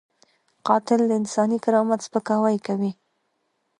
قاتل د انساني کرامت سپکاوی کوي